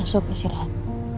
masuk isi rahat